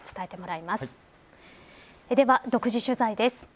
では、独自取材です。